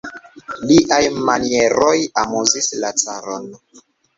Liaj manieroj amuzis la caron.